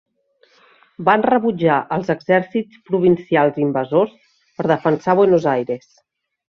Van rebutjar els exèrcits provincials invasors per defensar Buenos Aires.